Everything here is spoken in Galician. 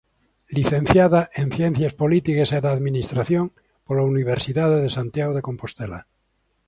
Licenciada en Ciencias Políticas e da Administración pola Universidade de Santiago de Compostela.